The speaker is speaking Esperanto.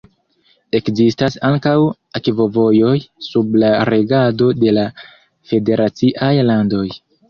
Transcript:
Ekzistas ankaŭ akvovojoj sub la regado de la federaciaj landoj.